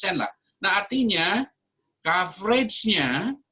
nah artinya coveragenya